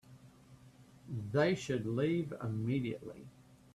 They should leave immediately.